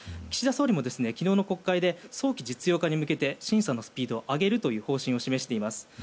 岸田総理も昨日の国会で早期実用化に向けて審査のスピードを上げるという方針を示しています。